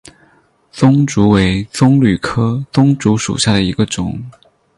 棕竹为棕榈科棕竹属下的一个种。